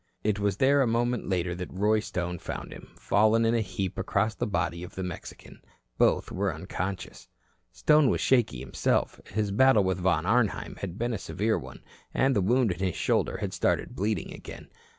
It was there a moment later that Roy Stone found him, fallen in a heap across the body of the Mexican. Both were unconscious. Stone was shaky himself. His battle with Von Arnheim had been a severe one, and the wound in his shoulder had started bleeding again.